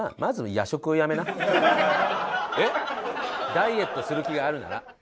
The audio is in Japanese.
ダイエットする気があるなら。